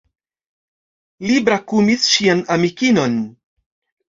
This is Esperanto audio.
Li brakumis ŝian amikinon.